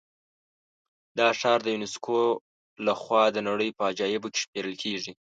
دا ښار د یونسکو له خوا د نړۍ په عجایبو کې شمېرل کېږي.